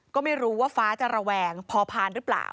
ก็ไม่รู้ว่าฟ้าจะระแวงพอผ่านหรือเปล่า